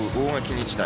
日大。